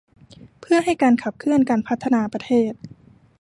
เพื่อให้การขับเคลื่อนการพัฒนาประเทศ